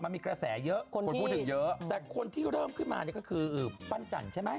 คนพูดถึงเยอะแต่คนที่เริ่มขึ้นมาก็คือปั้นจันทร์ใช่ไหม